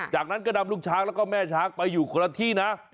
จากนั้นก็นำลูกช้างแล้วก็แม่ช้างไปอยู่คนละที่นะ